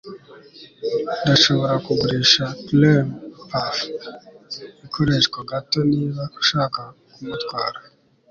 ndashobora kugurisha cream-puff ikoreshwa gato niba ushaka kumutwara